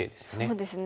そうですね